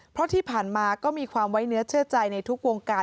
เพราะที่ผ่านมาก็มีความไว้เนื้อเชื่อใจในทุกวงการ